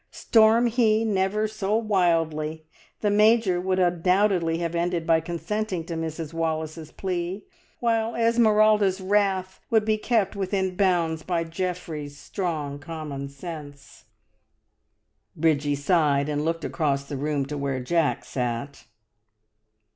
Storm he never so wildly, the Major would undoubtedly have ended by consenting to Mrs Wallace's plea, while Esmeralda's wrath would be kept within bounds by Geoffrey's strong common sense. Bridgie sighed and looked across the room to where Jack sat.